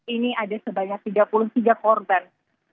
ini ada sebanyak tiga puluh tiga korban